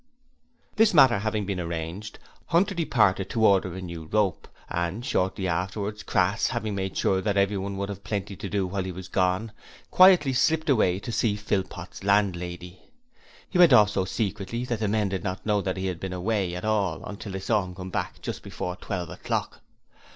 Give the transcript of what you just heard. This matter having been arranged, Hunter departed to order a new rope, and shortly afterwards Crass having made sure that everyone would have plenty to do while he was gone quietly slipped away to go to see Philpot's landlady. He went off so secretly that the men did not know that he had been away at all until they saw him come back just before twelve o'clock.